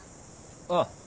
ああ。